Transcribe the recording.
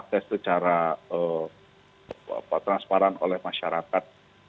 karena tidak diakses secara transparan oleh masyarakat